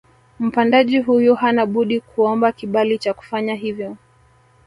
Mpandaji huyu hana budi kuomba kibali cha kufanya hivyo